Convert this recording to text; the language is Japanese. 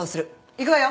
行くわよ。